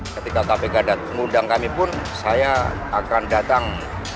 ketika kpk mengundang kami pun saya akan datang